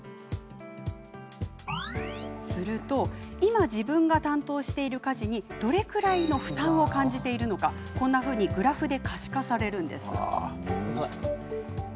すると、今自分が担当している家事にどれくらいの負担を感じているのかグラフで可視化されるのです。